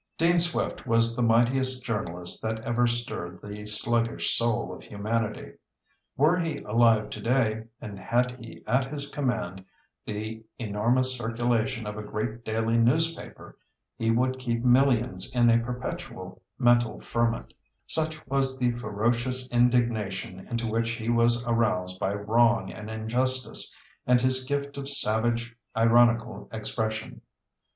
Dean Swift was the mightiest journalist that ever stirred the sluggish soul of humanity. Were he alive today and had he at his command the enormous circulation of a great daily newspaper, he would keep millions in a perpetual mental ferment, such was the ferocious indignation into which he was aroused by wrong and injustice and his gift of savage ironical expression.